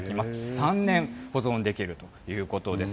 ３年保存できるということです。